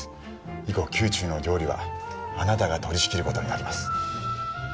以後宮中の料理はあなたが取りしきることになります